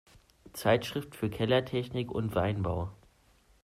Zeitschrift für Kellertechnik und Weinbau".